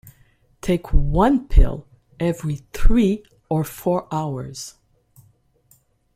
Take one pill every three or four hours.